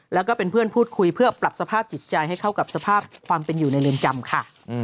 แล้วก็เป็นเพื่อนพูดคุยเพื่อปรับสภาพจิตใจให้เข้ากับสภาพความเป็นอยู่ในเรือนจำค่ะ